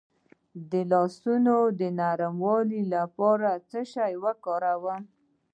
د لاسونو د نرموالي لپاره څه شی وکاروم؟